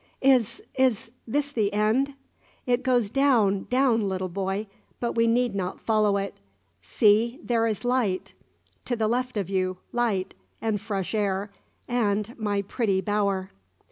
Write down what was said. "Is is this the end?" "It goes down down, little boy; but we need not follow it. See, there is light, to the left of you; light, and fresh air, and my pretty bower."